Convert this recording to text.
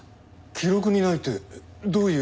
記録にないってどういう事だ？